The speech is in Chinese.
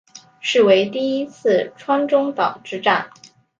是为第一次川中岛之战。